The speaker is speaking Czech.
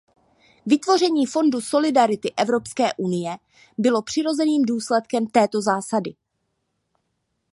Vytvoření Fondu solidarity Evropské unie bylo přirozeným důsledkem této zásady.